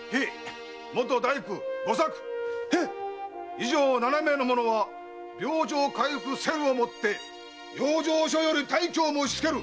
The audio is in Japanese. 以上七名の者は病状回復せるをもって養生所より退去を申しつける！